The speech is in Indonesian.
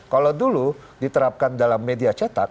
kalau dulu diterapkan dalam media cetak